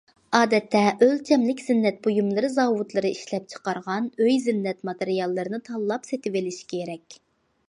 ئادەتتە ئۆلچەملىك زىننەت بۇيۇملىرى زاۋۇتلىرى ئىشلەپچىقارغان ئۆي زىننەت ماتېرىياللىرىنى تاللاپ سېتىۋېلىش كېرەك.